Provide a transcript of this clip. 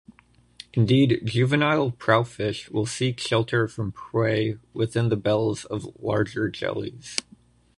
Indeed, juvenile prowfish will seek shelter from prey within the bells of larger jellies.